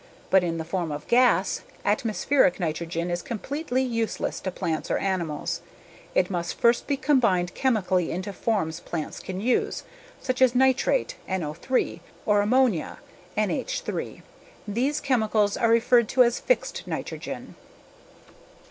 But in the form of gas, atmospheric nitrogen is completely useless to plants or animals. It must first be combined chemically into forms plants can use, such as nitrate (NO3) or ammonia (NH3). These chemicals are referred to as "fixed nitrogen."